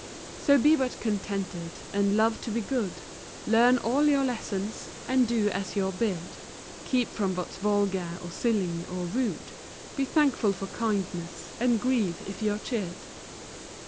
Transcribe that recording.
INTRODUCTION. V ♦ So be but contented, and love to be good, Learn all your lessons, and do as you're bid; Keep from what's vulgar, or silly, or rude, Be thankful for kindness, and grieve if you're chid.